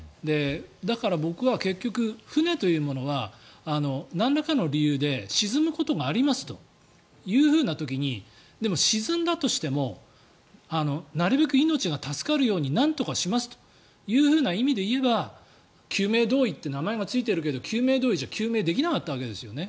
だから僕は結局、船というものがなんらかの理由で沈むことがありますという時にでも、沈んだとしてもなるべく命が助かるようになんとかしますというふうな意味で言えば救命胴衣って名前がついているけど救命胴衣じゃ救命できなかったわけですよね。